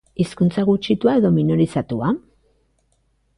Hizkuntza gutxitua edo minorizatua?